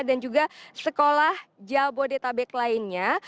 dan juga sekolah jabodetabek lainnya